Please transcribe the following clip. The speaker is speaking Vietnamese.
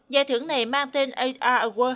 giải thưởng này mang tên hr award hai nghìn một mươi sáu